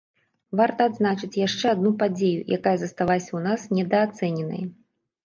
Варта адзначыць яшчэ адну падзею, якая засталася ў нас недаацэненай.